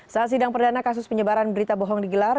saat sidang perdana kasus penyebaran berita bohong digelar